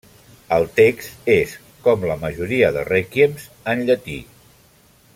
El text és, com la majoria de Rèquiems en llatí.